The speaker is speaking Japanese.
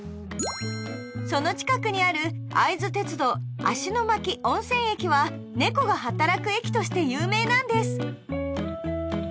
その近くにある会津鉄道芦ノ牧温泉駅は猫が働く駅として有名なんです